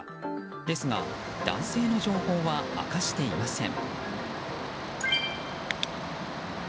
ですが、男性の情報は明かしていません。